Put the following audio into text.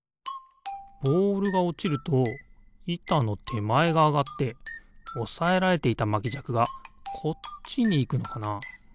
ボールがおちるといたのてまえがあがっておさえられていたまきじゃくがこっちにいくのかな？